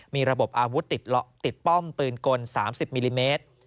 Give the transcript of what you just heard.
มีระบบอาวุธติดป้อมปืนกล๓๐มิลลิเมตร